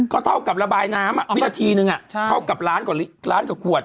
ก็เท่ากับระบายน้ำวินาทีนึงเท่ากับล้านกว่าขวด